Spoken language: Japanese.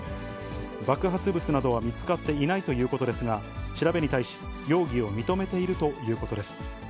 爆発物などは見つかっていないということですが、調べに対し、容疑を認めているということです。